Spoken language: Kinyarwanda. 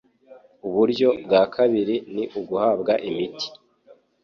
Uburyo bwa kabiri ni uguhabwa imiti